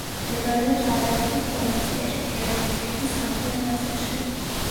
მდებარეობს არარატის პროვინციაში, გეღამის ქედის სამხრეთ ნაწილში.